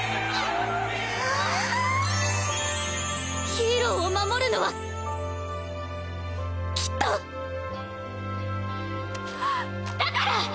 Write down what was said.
ヒーローを守るのはきっとだからっ！